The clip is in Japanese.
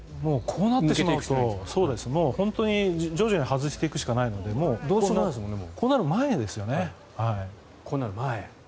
こうなってしまうと本当に徐々に外していくしかないのでこうなる前。